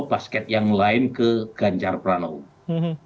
basket yang lain ke ganjar pranowo